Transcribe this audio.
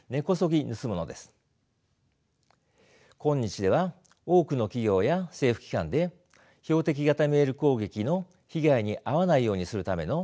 今日では多くの企業や政府機関で標的型メール攻撃の被害に遭わないようにするための訓練を行っていますね。